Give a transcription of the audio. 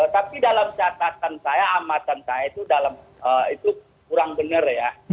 tapi dalam catatan saya amatan saya itu kurang benar ya